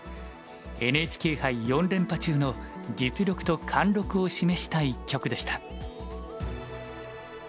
ＮＨＫ杯４連覇中の実力と貫禄を示した一局でした。